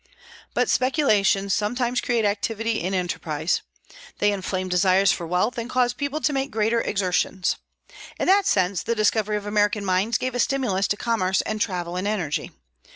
But speculations sometimes create activity in enterprise; they inflame desires for wealth, and cause people to make greater exertions. In that sense the discovery of American mines gave a stimulus to commerce and travel and energy.